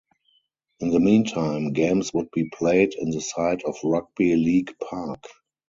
In the meantime, games would be played in the site of Rugby League Park.